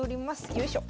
よいしょ。